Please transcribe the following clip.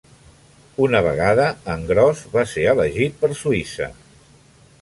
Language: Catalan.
Una vegada en Gross va ser elegit per Suïssa.